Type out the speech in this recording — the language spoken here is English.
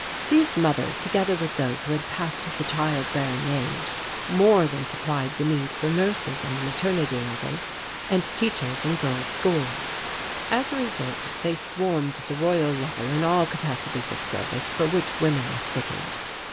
These mothers together with those who had passed the child bearing age more than supplied the need for nurses on the maternity levels and teachers in girls' schools. As a result they swarmed the Royal Level in all capacities of service for which women are fitted.